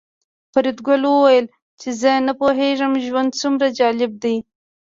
فریدګل وویل چې زه نه پوهېږم ژوند څومره جالب دی